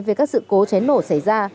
về các sự cố cháy nổ xảy ra